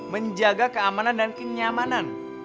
menjaga keamanan dan kenyamanan